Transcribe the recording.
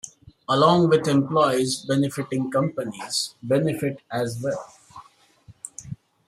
Along with employees benefiting, companies benefit as well.